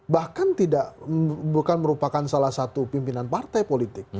bahkan tidak bukan merupakan salah satu pimpinan partai politik